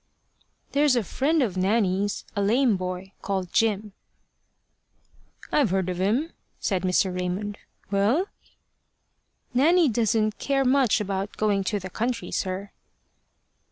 "There's a friend of Nanny's, a lame boy, called Jim." "I've heard of him," said Mr. Raymond. "Well?" "Nanny doesn't care much about going to the country, sir."